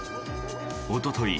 おととい